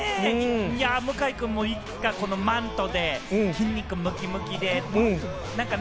向井くんも、いつかこのマントで筋肉ムキムキで。